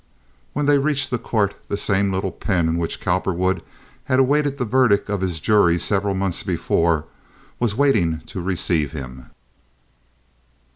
When they reached the court the same little pen in which Cowperwood had awaited the verdict of his jury several months before was waiting to receive him.